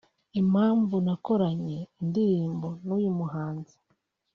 Impamvu nakoranye indirimbo n’uyu muhanzi